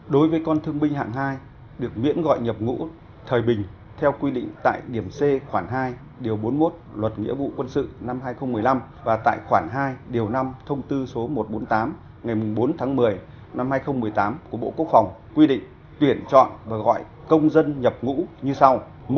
đối với con thương binh hạng hai được miễn gọi nhập ngũ thời bình theo quy định tại điểm c khoảng hai điều bốn mươi một luật nghĩa vụ quân sự năm hai nghìn một mươi năm và tại khoản hai điều năm thông tư số một trăm bốn mươi tám ngày bốn tháng một mươi năm hai nghìn một mươi tám của bộ quốc phòng quy định tuyển chọn và gọi công dân nhập ngũ như sau